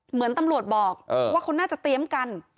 เหมือนตำลวดบอกเออว่าคนน่าจะเตรียมกัน